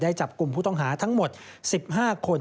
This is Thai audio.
จับกลุ่มผู้ต้องหาทั้งหมด๑๕คน